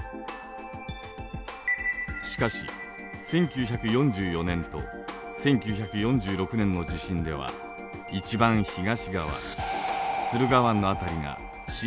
しかし１９４４年と１９４６年の地震では一番東側駿河湾の辺りが震源域になっていません。